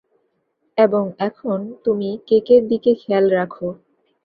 এবং এখন, তুমি কেকের দিকে খেয়াল রাখো।